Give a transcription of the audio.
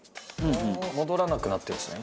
戻らなくなってるんですね。